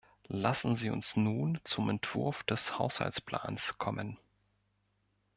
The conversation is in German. Lassen Sie uns nun zum Entwurf des Haushaltsplans kommen.